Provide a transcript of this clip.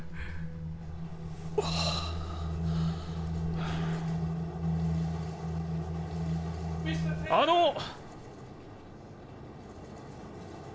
あの！